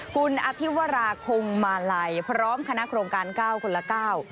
คุณอธิวราคงมาลัยพร้อมคณะโครงการ๙คนละ๙